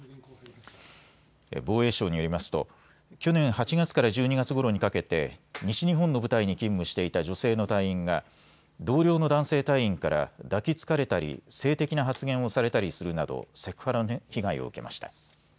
防衛省によりますと去年８月から１２月ごろにかけて西日本の部隊に勤務していた女性の隊員が同僚の男性隊員から抱きつかれたり性的な発言をされたりするなどセクハラの被害を受けました。